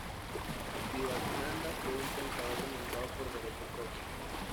Vivekananda fue un pensador renombrado por derecho propio.